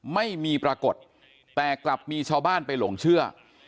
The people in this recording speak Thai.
ไม่มีปรากฏแต่กลับมีชาวบ้านไปหลงเชื่อ